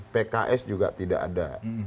pks juga tidak ada